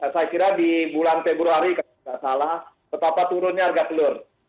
saya kira di bulan februari kalau tidak salah betapa turunnya harga telur